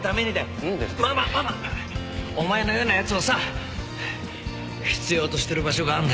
お前のようなやつをさ必要としてる場所があんだよ